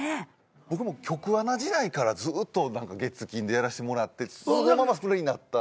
僕も局アナ時代からずっと月金でやらしてもらってそのままフリーになったんで。